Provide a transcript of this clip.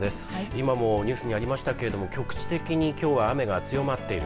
今もニュースにありましたけれども局地的にきょうは雨が強まっている。